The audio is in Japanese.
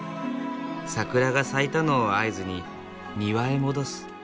桜が咲いたのを合図に庭へ戻す。